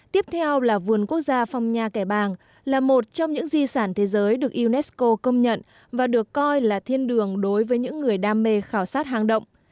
tiếp theo là vườn quốc gia phong nha kẻ bàng là một trong những di sản thế giới được unesco công nhận và được coi là thiên đường đối với những người đam mê khảo sát hàng động